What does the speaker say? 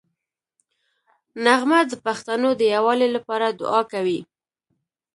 نغمه د پښتنو د یووالي لپاره دوعا کوي